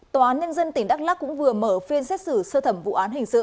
tòa án nhân dân tỉnh đắk lắc cũng vừa mở phiên xét xử sơ thẩm vụ án hình sự